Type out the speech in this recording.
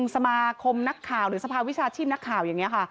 สมาคมนักข่าวหรือสภาวิชาชีพนักข่าวอย่างนี้ค่ะ